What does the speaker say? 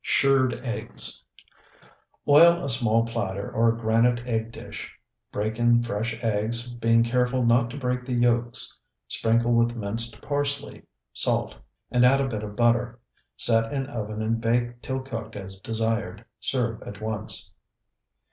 SHIRRED EGGS Oil a small platter or granite egg dish, break in fresh eggs, being careful not to break the yolks. Sprinkle with minced parsley, salt, and add a bit of butter. Set in oven and bake till cooked as desired. Serve at once.